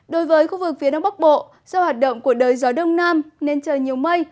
đối với khu vực phía đông bắc bộ do hoạt động của đới gió đông nam nên trời nhiều mây